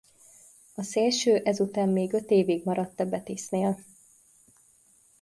A szélső ezután még öt évig maradt a Betisnél.